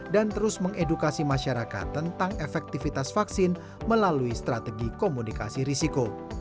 dan terus mengedukasi masyarakat tentang efektivitas vaksin melalui strategi komunikasi risiko